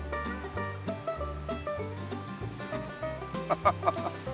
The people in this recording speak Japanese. ハハハハ。